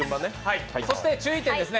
そして注意点です。